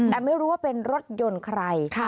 แต่ไม่รู้ว่าเป็นรถยนต์ใคร